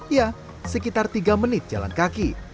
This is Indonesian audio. ya sekitar tiga menit jalan kaki